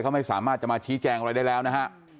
เขาไม่สามารถจะมาชี้แจงอะไรได้แล้วนะฮะ